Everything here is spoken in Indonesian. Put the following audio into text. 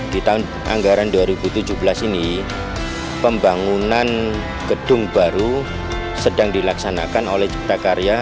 di tahun anggaran dua ribu tujuh belas ini pembangunan gedung baru sedang dilaksanakan oleh cipta karya